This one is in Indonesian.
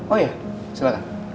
oh iya silahkan